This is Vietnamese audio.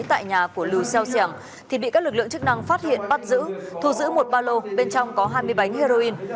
tại nhà của lưu xeo xẻng thì bị các lực lượng chức năng phát hiện bắt giữ thu giữ một ba lô bên trong có hai mươi bánh heroin